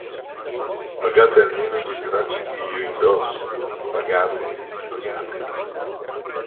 Pagate almeno gli stracci che io indosso: pagateli, pagateli.